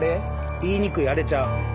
言いにくいあれちゃう？